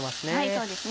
そうですね